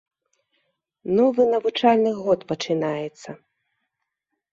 Новы навучальны год пачынаецца.